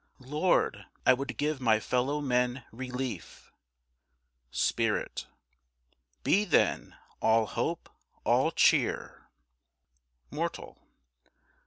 Lord, I would give my fellow men relief. Spirit. Be, then, all hope, all cheer. Mortal.